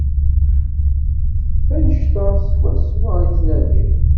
F annect-a swaswa i ttnadiɣ.